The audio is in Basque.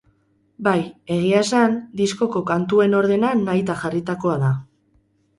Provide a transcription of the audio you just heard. Bai, egia esan, diskoko kantuen ordena nahita jarritakoa da.